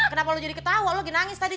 kenapa lo jadi ketawa lo lagi nangis tadi